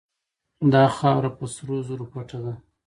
دا خاوره په سرو زرو پټه ده.